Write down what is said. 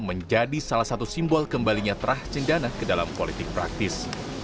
menjadi salah satu simbol kembalinya terah cendana ke dalam politik praktis